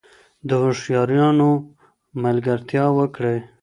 د هوښیارانو ملګرتیا وکړئ.